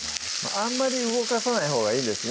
あんまり動かさないほうがいいんですね